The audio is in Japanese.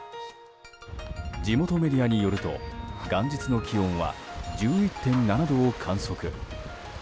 地元メディアによると元日の気温は１１．７度を観測。